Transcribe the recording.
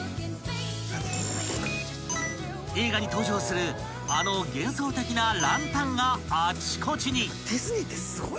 ［映画に登場するあの幻想的なランタンがあちこちに］